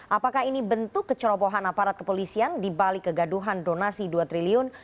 apakah ini bentuk kecerobohan aparat kepolisian dibalik kegaduhan donasi dua triliun